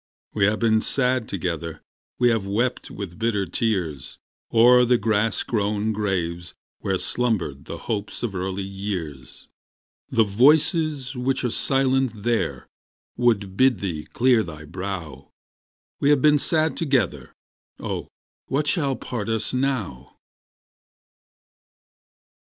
We have been sad together; We have wept with bitter tears O'er the grass grown graves where slumbered The hopes of early years. The voices which are silent there Would bid thee clear thy brow; We have been sad together. Oh, what shall part us now?